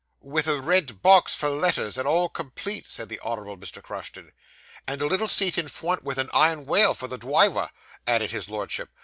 'With a real box for the letters, and all complete,' said the Honourable Mr. Crushton. 'And a little seat in fwont, with an iwon wail, for the dwiver,' added his Lordship.